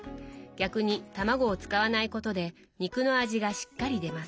逆に卵を使わないことで肉の味がしっかり出ます」。